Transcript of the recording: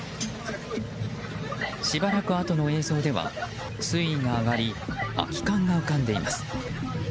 しばらくあとの映像では水位が上がり空き缶が浮かんでいます。